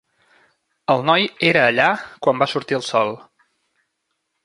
El noi era allà quan va sortir el sol.